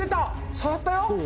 触ったよ！」